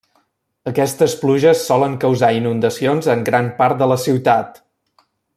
Aquestes pluges solen causar inundacions en gran part de la ciutat.